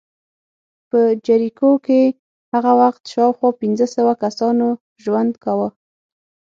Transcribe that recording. په جریکو کې هغه وخت شاوخوا پنځه سوه کسانو ژوند کاوه